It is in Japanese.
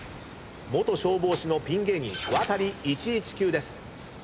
元消防士のピン芸人ワタリ１１９です。